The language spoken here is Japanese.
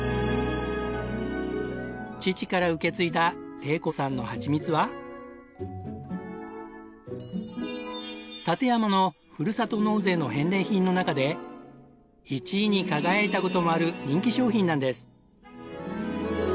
父から受け継いだ館山のふるさと納税の返礼品の中で１位に輝いた事もある人気商品なんです。